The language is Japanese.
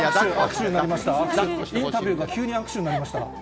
インタビューが急に握手になりました。